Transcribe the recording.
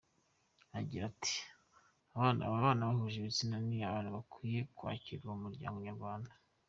Agira ati “Ababana bahuje ibitsina ni abantu bakwiye kwakirwa mu muryango nyarwanda.